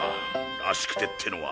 「らしくて」ってのは。